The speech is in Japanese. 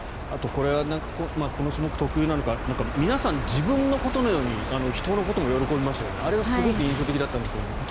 これはこの種目特有なのか皆さん、自分のことのように人のことも喜びますよね。